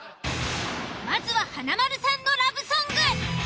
まずは華丸さんのラブソング。